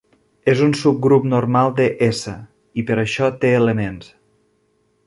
És un subgrup normal de S, i per això té elements.